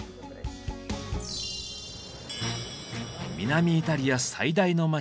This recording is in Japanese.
南イタリア最大の街